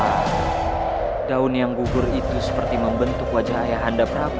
nah daun yang gugur itu seperti membentuk wajah ayah anda prabu